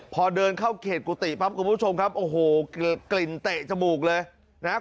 พอเดินเข้าเขตกุฏิปั๊บคุณผู้ชมครับโอ้โหกลิ่นเตะจมูกเลยนะครับ